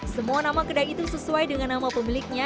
namanya ketiga kedai itu sesuai dengan nama pemiliknya